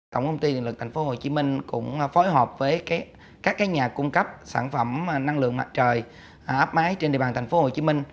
tổng công ty điện lực tp hcm cũng phối hợp với các nhà cung cấp sản phẩm năng lượng mặt trời áp mái trên địa bàn tp hcm